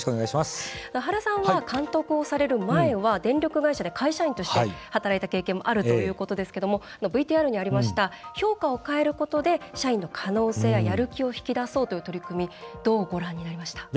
原さんは監督をされる前は電力会社で会社員として働いた経験もあるということなんですけどＶＴＲにありました評価を変えることで社員のやる気を引き出そうという取り組みどう、ご覧になりました？